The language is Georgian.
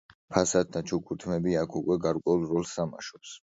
ფასადთა ჩუქურთმები აქ უკვე გარკვეულ როლს თამაშობს.